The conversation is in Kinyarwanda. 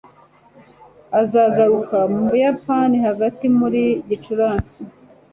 Azagaruka mu Buyapani hagati muri Gicurasi.